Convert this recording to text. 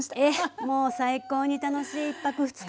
もう最高に楽しい１泊２日。